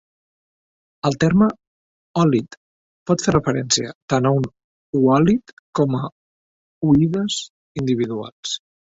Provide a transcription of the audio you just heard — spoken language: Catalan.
El terme "oolith" pot fer referència tant a un oòlit com a ooides individuals.